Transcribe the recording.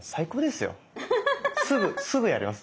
すぐすぐやります。